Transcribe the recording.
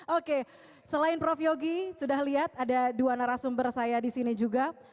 oke selain prof yogi sudah lihat ada dua narasumber saya di sini juga